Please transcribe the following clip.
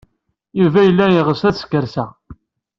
Yuba yella yeɣs ad skerkseɣ.